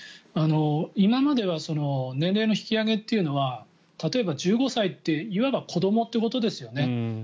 今までは年齢の引き上げっていうのは例えば、１５歳っていわば子どもということですよね。